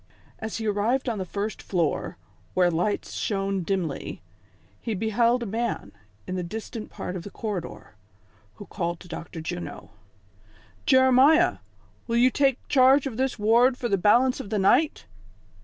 As he arrived on the first floor, where lights shone dimly, he beheld a man in a distant part of that corridor, who called to Dr. Juno :" Jeremiah, will you take charge of this ward for the balance of the night